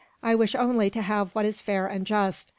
"I wish only to have what is fair and just.